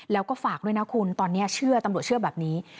แล้วก็ฝากด้วยนะคุณตอนนี้เชื่อตำรวจเชื่อแบบนี้